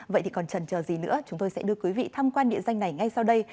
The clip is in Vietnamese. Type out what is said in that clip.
vậy thì còn trần chờ gì nữa chúng tôi sẽ đưa quý vị tham quan địa danh này ngay sau đây